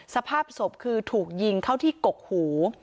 สภาพศพคือถูกยิงเข้าที่กกหู